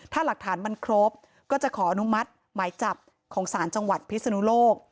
ถ้าหลักฐานมันครบก็จะขออนุมัติหมายจับของศาลจังหวัดพิศนุโลก